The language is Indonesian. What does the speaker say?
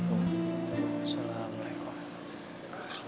coba percobaan apapun